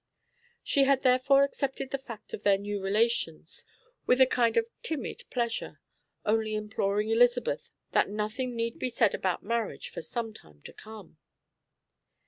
She had therefore accepted the fact of their new relations with a kind of timid pleasure, only imploring Elizabeth that nothing need be said about marriage for some time to come.